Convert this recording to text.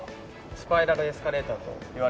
スパイラルエスカレーターといわれる。